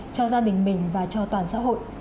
cho gia đình mình và cho toàn xã hội